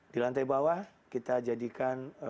di lantai bawah kita jadikan